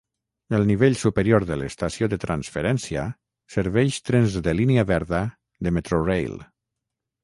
El nivell superior de l'estació de transferència serveix trens de línia verda de Metrorail.